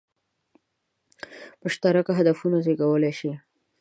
مشترک هدفونه زېږولای شي.